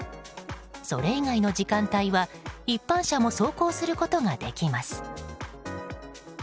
それ以外の時間帯は一般車も走行することができます。